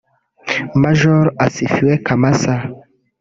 Maj Asifiwe Kamasa